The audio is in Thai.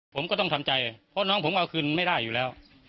ผมก็ต้องทำใจเพราะน้องผมเอาคืนไม่ได้อยู่แล้ว